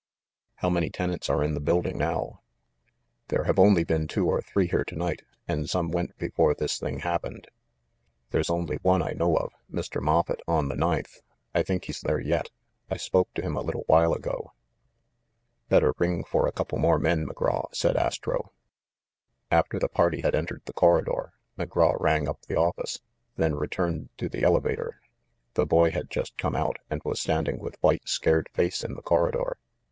"How many tenants are in the building now ?" "There have only been two or three here to night, and some went before this thing happened. There's only one I know of, — Mr. Moffett, on the ninth. I think he's there yet. I spoke to him a little while ago." 386 THE MASTER OF MYSTERIES "Better ring for a couple more men, McGraw," said Astro. After the party had entered the corridor, McGraw rang up the office, then returned to the elevator. The boy had just come out, and was standing with white scared face in the corridor.